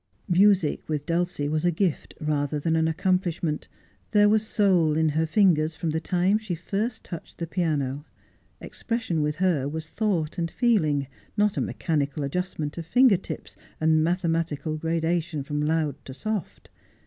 Music "with Dulcie was a gift rather than an accomplishment — there was soul in her fingers from the time she first touched the piano. Expression with her was thought and feeling, not a mechanical adjustment of finger tips, and mathematical gradation from loud to soft.